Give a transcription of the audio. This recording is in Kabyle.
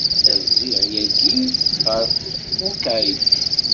Rziɣ yagi ɣef Hokkaido.